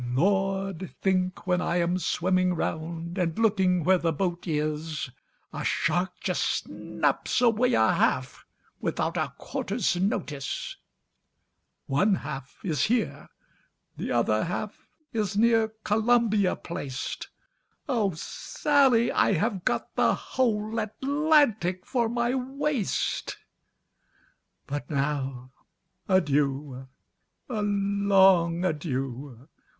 "Lord! think when I am swimming round, And looking where the boat is, A shark just snaps away a half, Without a 'quarter's notice.' "One half is here, the other half Is near Columbia placed; Oh! Sally, I have got the whole Atlantic for my waist. "But now, adieu a long adieu!